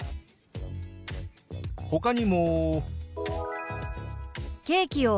ほかにも。